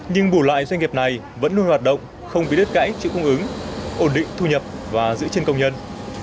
nhưng bù lại doanh nghiệp này vẫn luôn hoạt động không bị đứt cãi chịu cung ứng ổn định thu nhập và giữ trên công nhân